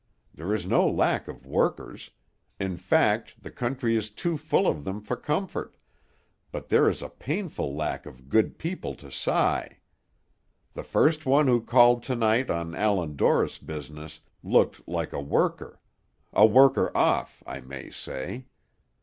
There is no lack of workers; in fact, the country is too full of them for comfort, but there is a painful lack of good people to sigh. The first one who called to night on Allan Dorris business looked like a worker; a worker off, I may say.